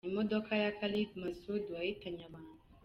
Imodoka ya Khalid Masood wahitanye abantu.